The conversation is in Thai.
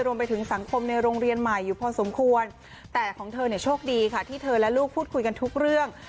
รวมไปถึงสังคมในโรงเรียนใหม่อยู่พอสมควรแต่ของเธอเนี่ยโชคดีค่ะที่เธอและลูกพูดคุยกันทุกเรื่อง